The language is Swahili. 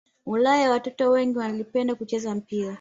Ulaya watoto wengi walipenda kucheza mpira